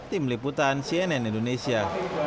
tim liputan cnn indonesia